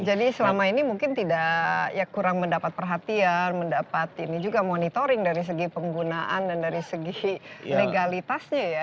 jadi selama ini mungkin tidak kurang mendapat perhatian mendapat monitoring dari segi penggunaan dan dari segi legalitasnya ya